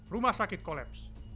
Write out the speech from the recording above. rumah sakit kolaps